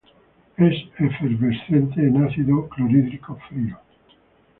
Es efervescente en ácido clorhídrico frío.